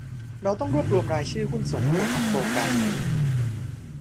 เราต้องรวบรวมรายชื่อหุ้นส่วนทั้งหมดของโครงการนี้